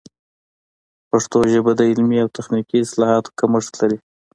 پښتو ژبه د علمي او تخنیکي اصطلاحاتو کمښت لري.